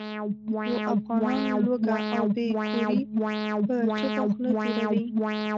خو افغانان لوږه او بې کوري په چوپه خوله تېروي.